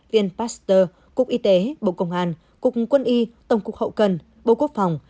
viện pasteur cục y tế bộ công an cục quân y tổng cục hậu cần bộ quốc phòng